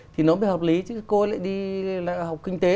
thì nó mới hợp lý chứ cô lại đi học kinh tế